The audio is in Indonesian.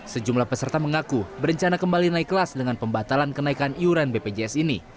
sejumlah peserta mengaku berencana kembali naik kelas dengan pembatalan kenaikan iuran bpjs ini